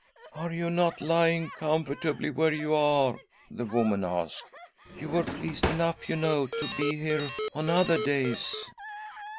" Are you not lying comfortably where you are ?" the woman asked. " You were pleased enough, you know, to He here on other days."